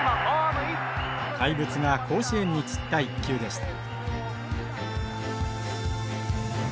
怪物が甲子園に散った一球でした。